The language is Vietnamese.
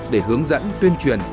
để hướng dẫn tuyên truyền